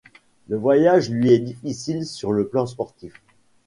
Le voyage lui est difficile sur le plan sportif.